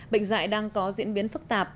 bệnh dại đang có diễn biến phức tạp